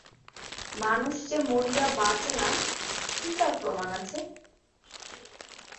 মানুষ যে মরিয়া বাঁচে না কী তার প্রমাণ আছে?